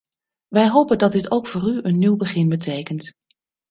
Wij hopen dat dit ook voor u een nieuw begin betekent.